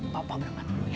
papa gue ngantuk ya